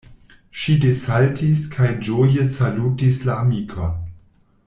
Ŝi desaltis kaj ĝoje salutis la amikon: